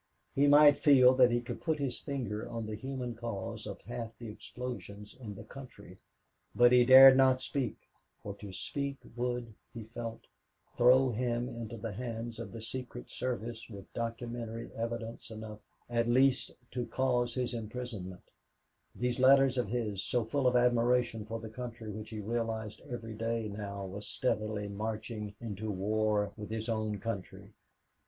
He might feel that he could put his finger on the human cause of half the explosions in the country, but he dared not speak, for to speak would, he felt, throw him into the hands of the secret service with documentary evidence enough at least to cause his imprisonment these letters of his, so full of admiration for the country which he realized every day now was steadily marching into war with his own country.